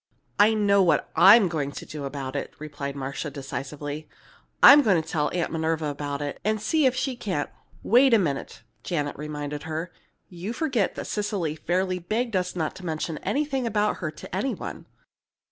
"I know what I'm going to do about it," replied Marcia, decisively. "I'm going to tell Aunt Minerva about it, and see if she can't " "Wait a minute," Janet reminded her. "You forget that Cecily fairly begged us not to mention anything about her to any one."